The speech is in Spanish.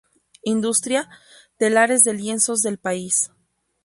Industria: telares de lienzos del país.